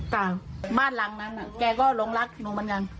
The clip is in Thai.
จ้ะบ้านหลังนั้นแกก็หลงรักลุงมันกัน